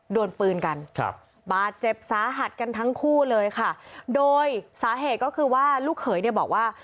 โดนปืนกันครับบาดเจ็บสาหัสกันทั้งคู่เลยค่ะโดยสาเหตุก็คือว่าลูกเขยเนี่ยบอกว่า